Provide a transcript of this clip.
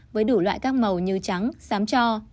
với đủ loại các màu như trắng xám cho